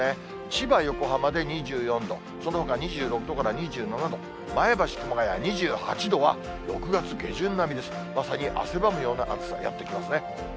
千葉、横浜で２４度、そのほか２６度から２７度、前橋、熊谷２８度は、６月下旬並みですから、まさに汗ばむような暑さやって来ますね。